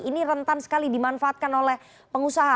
ini rentan sekali dimanfaatkan oleh pengusaha